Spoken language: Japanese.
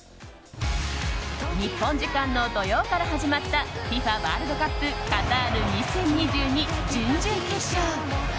日本時間の土曜から始まったＦＩＦＡワールドカップカタール２０２２準々決勝。